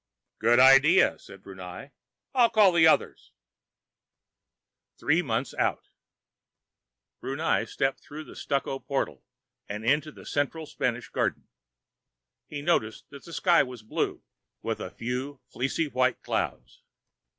"Good idea," said Brunei. "I'll call the others." Three months out: Brunei stepped through the stuccoed portal, and into the central Spanish garden. He noticed that the sky was blue, with a few fleecy white clouds.